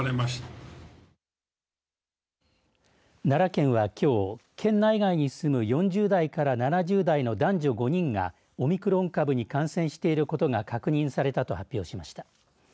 奈良県はきょう、県内外に住む４０代から７０代の男女５人がオミクロン株に感染していることが確認されたと発表しました。